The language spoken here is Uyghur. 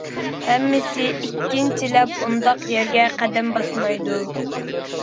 ھەممىسى ئىككىنچىلەپ ئۇنداق يەرگە قەدەم باسمايدۇ.